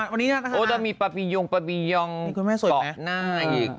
เวลาจะมีประพิยงประพิยองตรอหน้าอีก